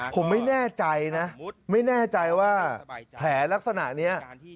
ผมไม่แน่ใจนะไม่แน่ใจว่าแผลลักษณะนี้